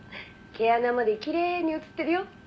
毛穴まできれいに映ってるよ」